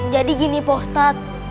jadi gini pak ustadz